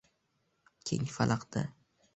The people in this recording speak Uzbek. keng falaqda